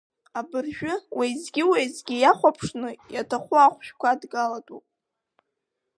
Абыржәы, уеизгьы-уеизгьы иахәаԥ-шны, иаҭаху ахәшәқәа адгалатәуп.